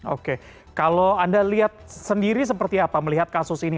oke kalau anda lihat sendiri seperti apa melihat kasus ini